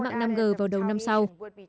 mạng năm g vào đầu năm sau